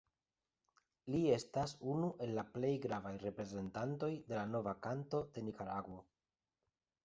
Li estas unu el la plej gravaj reprezentantoj de la "Nova Kanto" de Nikaragvo.